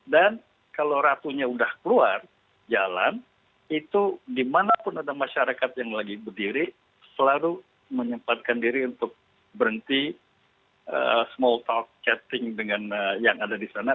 dan kalau ratunya sudah keluar jalan itu dimanapun ada masyarakat yang lagi berdiri selalu menyempatkan diri untuk berhenti small talk chatting dengan yang ada di sana